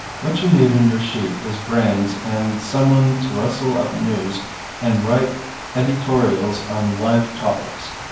What you need in your shete is branes & some one to russel up news and rite edytorials on live topics.